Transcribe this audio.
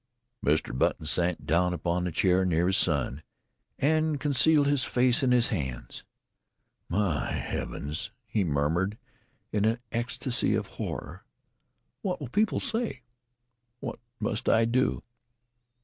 Mr. Button, sank down upon a chair near his son and concealed his face in his hands. "My heavens!" he murmured, in an ecstasy of horror. "What will people say? What must I do?"